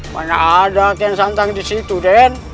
mana ada kian santang disitu aden